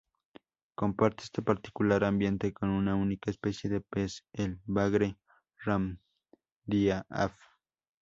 Comparte este particular ambiente con una única especie de pez: el bagre "Rhamdia aff.